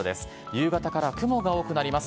夕方から雲が多くなります。